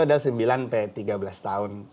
ada sembilan tiga belas tahun